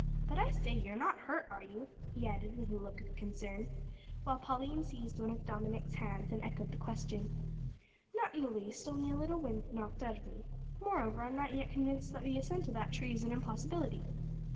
"But I say, you're not hurt, are you?" he added, with a look of concern, while Pauline seized one of Dominick's hands and echoed the question. "Not in the least only a little wind knocked out of me. Moreover, I'm not yet convinced that the ascent of that tree is an impossibility."